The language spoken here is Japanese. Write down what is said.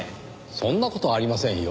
そんな事ありませんよ。